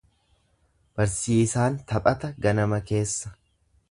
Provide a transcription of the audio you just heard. Barsiisaan taphata ganama keessa.